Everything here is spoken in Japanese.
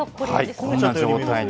こんな状態に。